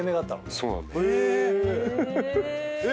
そうなんだよ。え！